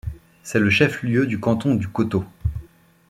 C'est le chef-lieu du canton du Coteau.